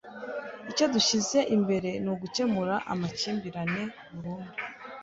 Icyo dushyize imbere ni ugukemura amakimbirane burundu.